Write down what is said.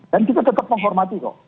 dan kita tetap menghormati kok